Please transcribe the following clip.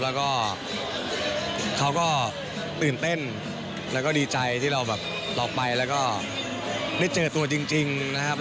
แล้วก็เขาก็ตื่นเต้นแล้วก็ดีใจที่เราแบบเราไปแล้วก็ได้เจอตัวจริงนะครับ